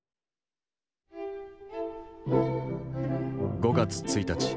５月１日。